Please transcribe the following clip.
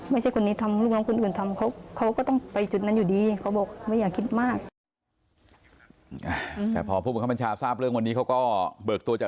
ไม่ใช่คนนี้ทำลูกน้องคุณอื่นทำ